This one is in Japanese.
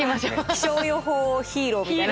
気象予報ヒーローみたいな。